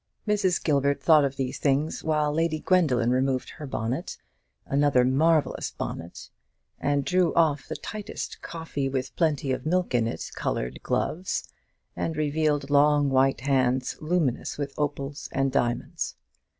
Mrs. Gilbert thought of these things while Lady Gwendoline removed her bonnet another marvellous bonnet and drew off the tightest coffee with plenty of milk in it coloured gloves, and revealed long white hands, luminous with opals and diamonds.